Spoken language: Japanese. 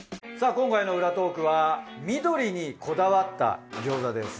今回の裏トークは緑にこだわった餃子です。